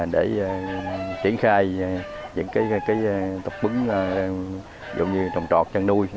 để triển khai những cái tập quấn dùng như trồng trọt chăn nuôi